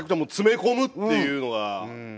詰め込むっていうのが。